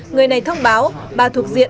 người này thông báo bà thuộc diện